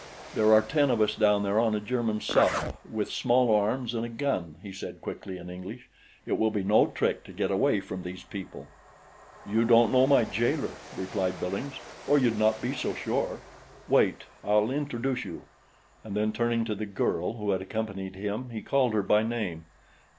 "There are ten of us down there on a German sub with small arms and a gun," he said quickly in English. "It will be no trick to get away from these people." "You don't know my jailer," replied Billings, "or you'd not be so sure. Wait, I'll introduce you." And then turning to the girl who had accompanied him he called her by name.